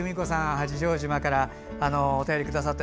八丈島からお便りをくださって。